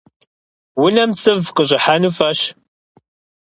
Унэм цӏыв къыщӏыхьэну фӏыщ.